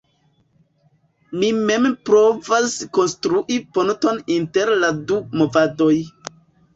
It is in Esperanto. Mi mem provas konstrui ponton inter la du movadoj.